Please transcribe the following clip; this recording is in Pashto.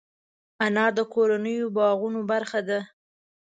انار د کورنیو باغونو برخه ده.